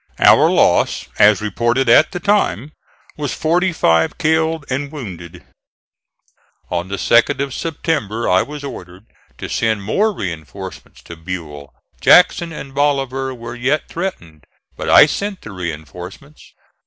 Our loss, as reported at the time, was forty five killed and wounded. On the 2d of September I was ordered to send more reinforcements to Buell. Jackson and Bolivar were yet threatened, but I sent the reinforcements.